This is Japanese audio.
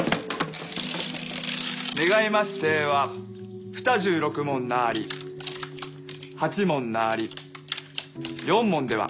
願いましては２６文なり８文なり４文では？